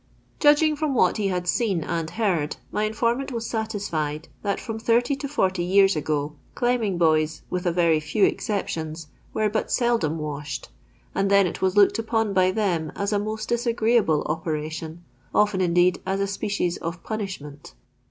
Judging from what he had seen and heard, my informant was satisfied that, from 80 to 40 years ago, climbing^boys, with a very few exceptions, were but seldom washed ; and then it was looked upon by them as a most dis agreeable operation, often, indeed, as a species of punishment.